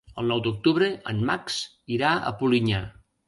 El nou d'octubre en Max irà a Polinyà.